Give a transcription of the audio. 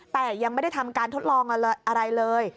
แต่ยังไม่ได้ทำการทดลองอะไรเลย